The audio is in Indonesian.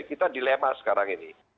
kita dilema sekarang ini